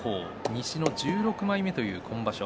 西の１６枚目という今場所